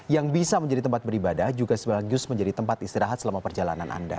yang bisa menjadi tempat beribadah juga sekaligus menjadi tempat istirahat selama perjalanan anda